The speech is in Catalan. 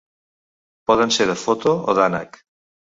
Poden ser de foto o d'ànec.